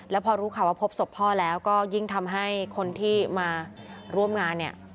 แล้วพอรู้ข่าวว่าพบศพพ่อแล้วก็ยิ่งทำให้คนที่มาร่วมงานเนี่ย